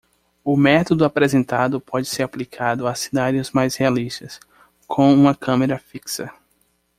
O método apresentado pode ser aplicado a cenários mais realistas com uma câmera fixa.